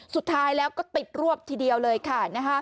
สุดท้ายแล้วก็ติดรวบทีเดียวเลยค่ะ